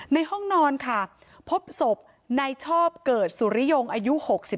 ในห้องนอนค่ะพบศพนายชอบเกิดสุริยงอายุ๖๒